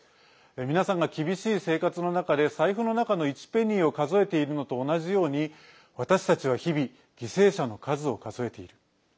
皆さんが厳しい生活の中で財布の中の１ペニーを数えているのと同じように私たちは日々犠牲者の数を数えている。